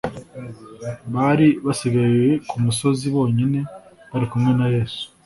Bari basigaye ku musozi bonyine bari kumwe na Yesu.